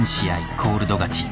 コールド勝ち。